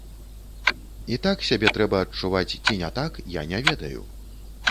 І так сябе трэба адчуваць ці не так, я не ведаю.